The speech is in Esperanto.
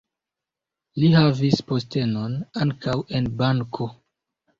Li havis postenon ankaŭ en banko.